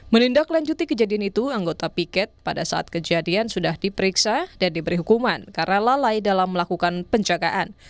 menindaklanjuti kejadian itu anggota piket pada saat kejadian sudah diperiksa dan diberi hukuman karena lalai dalam melakukan penjagaan